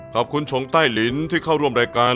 ชงใต้ลิ้นที่เข้าร่วมรายการ